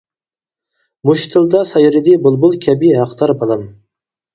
مۇشۇ تىلدا سايرىدى بۇلبۇل كەبى ھەقدار بالام.